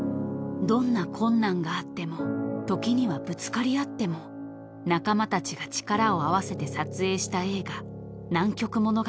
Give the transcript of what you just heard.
［どんな困難があっても時にはぶつかり合っても仲間たちが力を合わせて撮影した映画『南極物語』］